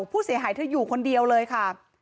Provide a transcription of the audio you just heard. ผู้เสียหายเธออยู่คนเดียวเลยค่ะ